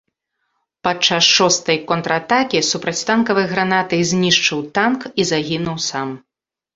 Падчас шостай контратакі супрацьтанкавай гранатай знішчыў танк і загінуў сам.